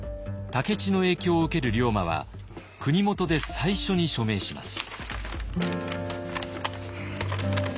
武市の影響を受ける龍馬は国元で最初に署名します。